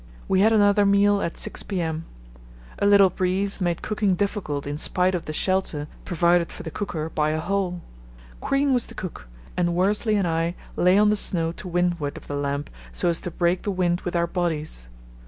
We had another meal at 6 p.m. A little breeze made cooking difficult in spite of the shelter provided for the cooker by a hole. Crean was the cook, and Worsley and I lay on the snow to windward of the lamp so as to break the wind with our bodies.